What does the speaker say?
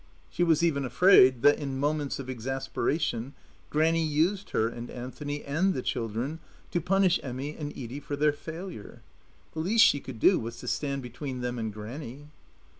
She was even afraid that, in moments of exasperation, Grannie used her and Anthony and the children to punish Emmy and Edie for their failure. The least she could do was to stand between them and Grannie.